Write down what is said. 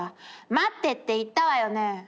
待ってって言ったわよね！